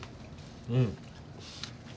うん。